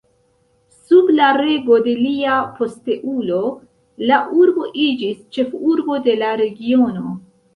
Sub la rego de lia posteulo la urbo iĝis ĉefurbo de la regiono.